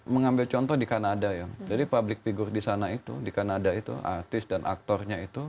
mengambil contoh di kanada ya jadi public figure di sana itu di kanada itu artis dan aktornya itu